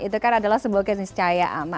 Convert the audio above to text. itu kan adalah sebuah keniscayaan